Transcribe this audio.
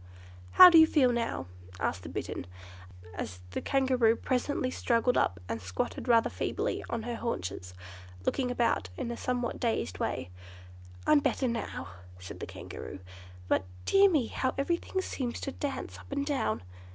"How do you feel now?" asked the Bittern, as the Kangaroo presently struggled up and squatted rather feebly on her haunches, looking about in a somewhat dazed way. "I'm better now," said the Kangaroo, "but, dear me, how everything seems to dance up and down!"